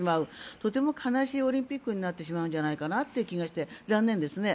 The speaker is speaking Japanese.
とても悲しいオリンピックになってしまうのではという気がして、残念ですね。